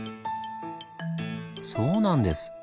そうなんです！